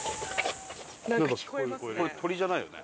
これ鳥じゃないよね？